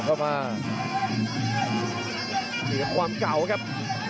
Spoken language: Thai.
เข้ามาเสียความเก่าครับ